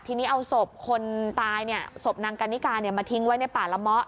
ทีนี้เอาศพคนตายศพนางกันนิกามาทิ้งไว้ในป่าละเมาะ